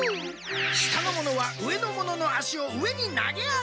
下の者は上の者のあしを上に投げ上げる。